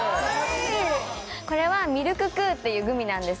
これはミルククーっていうグミなんですけど。